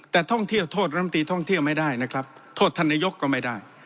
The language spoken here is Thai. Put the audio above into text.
แต่ท่องเที่ยวโทษลำตีท่องเที่ยวไม่ได้นะครับโทษท่านนายกก็ไม่ได้